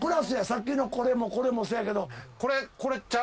さっきのこれもこれもそやけど。